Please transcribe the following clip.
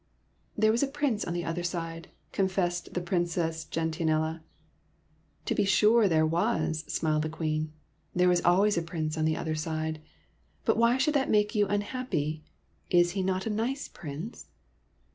"There was a prince on the other side," confessed the Princess Gentianella. " To be sure, there was," smiled the Queen. "There is always a prince on the other side; but v/hy should that make you unhappy? Is he not a nice prince?"